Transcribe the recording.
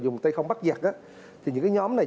dùng tay không bắt giặt thì những cái nhóm này